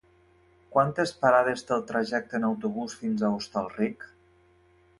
Quantes parades té el trajecte en autobús fins a Hostalric?